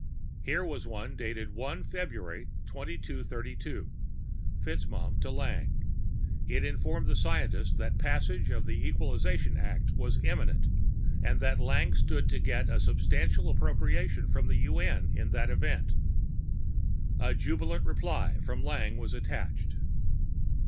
Here was one dated 1 Feb 2232, FitzMaugham to Lang: it informed the scientist that passage of the Equalization Act was imminent, and that Lang stood to get a substantial appropriation from the UN in that event. A jubilant reply from Lang was attached.